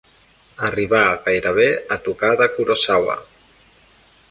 Arribar gairebé a tocar de Kurosawa.